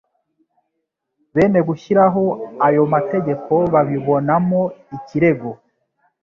bene gushyiraho ayo mategeko babibonamo ikirego.